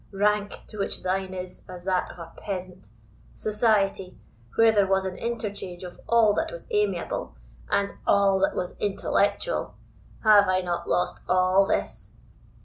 rank, to which thine is as that of a peasant? society, where there was an interchange of all that was amiable of all that was intellectual? Have I not lost all this?